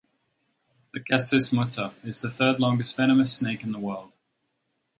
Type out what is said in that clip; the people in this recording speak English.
"Lachesis muta" is the third longest venomous snake in the world.